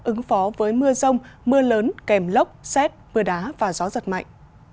ứng phó với mưa rông mưa lớn kèm lốc xét mưa đá và gió giật mạnh